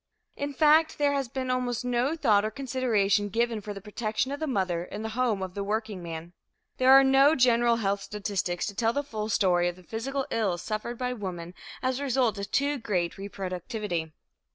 In fact there has been almost no thought or consideration given for the protection of the mother in the home of the workingman. There are no general health statistics to tell the full story of the physical ills suffered by women as a result of too great reproductivity.